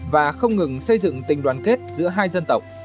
và không ngừng xây dựng tình đoàn kết giữa hai dân tộc